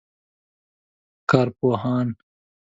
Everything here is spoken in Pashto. کارپوهان